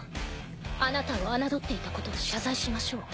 あなたを侮っていたことを謝罪しましょう。